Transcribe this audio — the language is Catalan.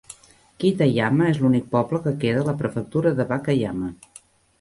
Kitayama és l'únic poble que queda a la prefectura de Wakayama.